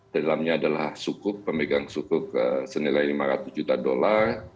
dalamnya adalah sukup pemegang sukup senilai lima ratus juta dolar